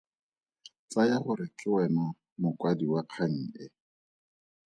Tsaya gore ke wena mokwadi wa kgang e.